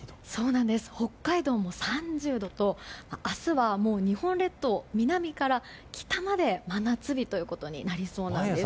北海道も３０度と明日は日本列島南から北まで真夏日ということになりそうです。